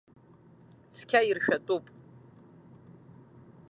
Цқьа иршәатәуп!